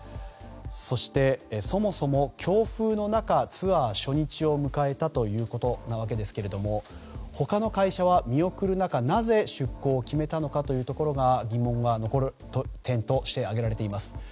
そして、そもそも強風の中ツアー初日を迎えたということなわけですが他の会社は見送る中でなぜ出航を決めたのかというところが疑問が残る点として挙げられています。